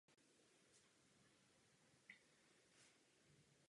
V současnosti je název používán v původní německé formě.